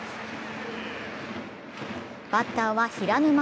バッターは平沼。